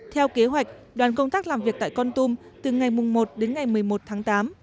theo kế hoạch đoàn công tác làm việc tại con tum từ ngày một đến ngày một mươi một tháng tám